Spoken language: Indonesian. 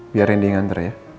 biar rendy yang nganter ya